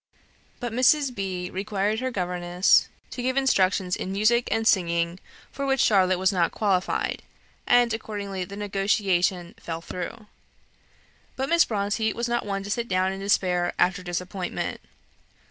But Mrs. B. required her governess to give instructions in music and singing, for which Charlotte was not qualified: and, accordingly, the negotiation fell through. But Miss Bronte was not one to sit down in despair after disappointment.